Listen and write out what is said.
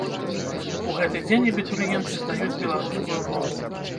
У гэты дзень абітурыенты здаюць беларускую мову.